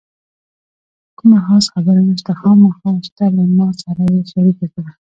کومه خاصه خبره نشته، خامخا شته له ما سره یې شریکه کړه.